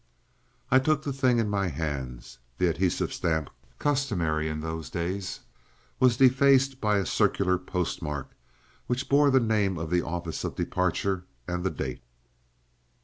I took the thing in my hands. The adhesive stamp customary in those days was defaced by a circular postmark, which bore the name of the office of departure and the date.